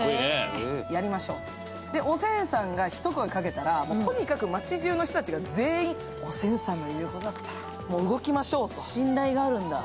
おせんさんが一声かけたらとにかく町じゅうの人が全員、おせんさんの言うことだったら動きましょうと、信頼がある。